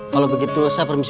kalau begitu saya berpikirnya